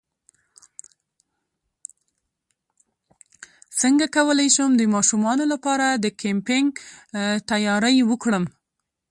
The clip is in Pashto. څنګه کولی شم د ماشومانو لپاره د کیمپینګ تیاری وکړم